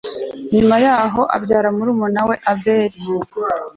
nyuma yaho abyara murumuna we abeli